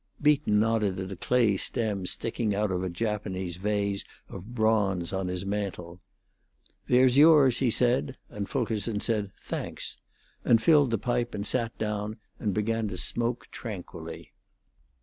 Beaton nodded at a clay stem sticking out of a Japanese vase of bronze on his mantel. "There's yours," he said; and Fulkerson said, "Thanks," and filled the pipe and sat down and began to smoke tranquilly.